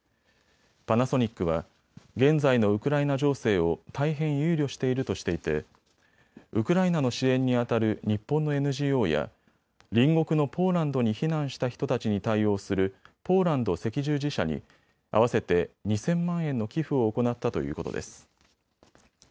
パナソニックは現在のウクライナ情勢を大変憂慮しているとしていてウクライナの支援にあたる日本のＮＧＯや隣国のポーランドに避難した人たちに対応するポーランド赤十字社に合わせて２０００万円の寄付を行ったということです。